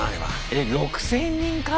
えっ６，０００人から？